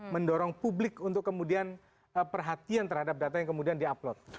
mendorong publik untuk kemudian perhatian terhadap data yang kemudian di upload